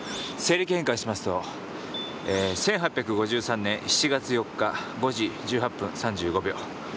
西暦変換しますと１８５３年７月４日５時１８分３５秒。